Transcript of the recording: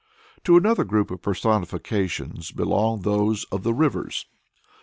To another group of personifications belong those of the Rivers.